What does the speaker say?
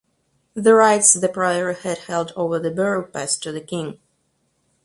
The rights the priory had held over the borough passed to the king.